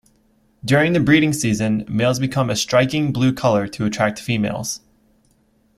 During the breeding season, males become a striking blue colour to attract females.